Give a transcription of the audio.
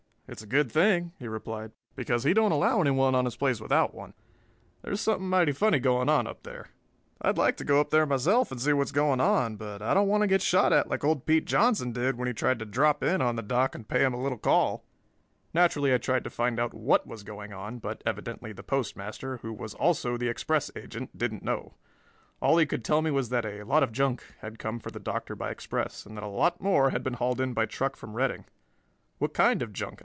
"It's a good thing," he replied, "because he don't allow anyone on his place without one. I'd like to go up there myself and see what's going on, but I don't want to get shot at like old Pete Johnson did when he tried to drop in on the Doc and pay him a little call. There's something mighty funny going on up there." Naturally I tried to find out what was going on but evidently the Postmaster, who was also the express agent, didn't know. All he could tell me was that a "lot of junk" had come for the Doctor by express and that a lot more had been hauled in by truck from Redding. "What kind of junk?"